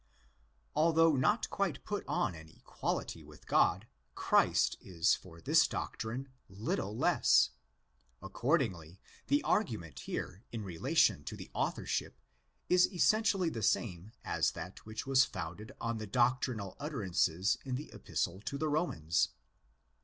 Although not quite put on an equality with God, Christ is for this doctrine little less.1_ Accordingly, the argument here in relation to the authorship 18 essentially the same as that which was founded on the doctrinal utterances in the Epistle to the Romans.